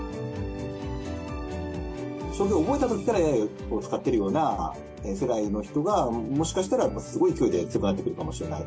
将棋を覚えたときからＡＩを使ってるような世代の人が、もしかしたらすごい勢いで強くなってくるかもしれない。